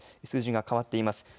数字が変わっています。